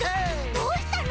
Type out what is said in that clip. どうしたの？